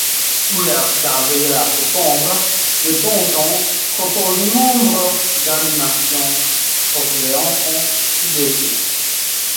Ouvert d'avril à septembre, le donjon propose nombre d'animations pour les enfants tout l'été.